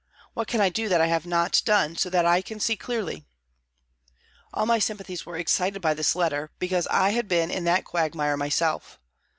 What can I do that I have not done, so that I can see clearly?" All my sympathies were excited by this letter, because I had been in that quagmire myself.